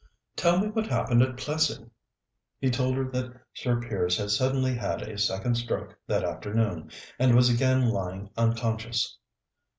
"Tell me what happened at Plessing." He told her that Sir Piers had suddenly had a second stroke that afternoon, and was again lying unconscious.